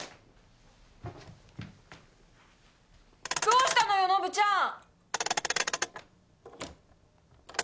どうしたのよノブちゃん！